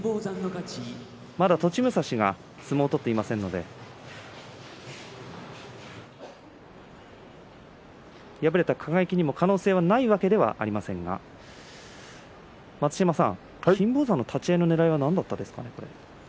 栃武蔵がまだ相撲を取っていませんので敗れた輝にも可能性がないわけではありませんが待乳山さん立ち合いのねらいはなんですか？